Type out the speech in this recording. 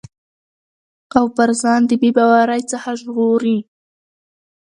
او پر ځان د بې باورٸ څخه ژغوري